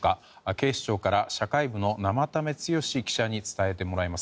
警視庁から社会部の生田目剛記者に伝えてもらいます。